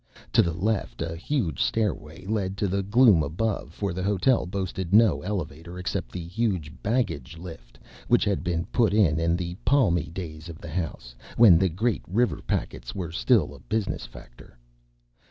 To the left a huge stairway led to the gloom above, for the hotel boasted no elevator except the huge "baggage lift," which had been put in in the palmy days of the house, when the great river packets were still a business factor.